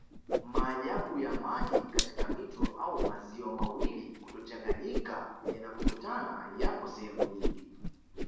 Maajabu ya maji katika mito au maziwa mawili kutochanganyika yanapokutana yapo sehemu nyingi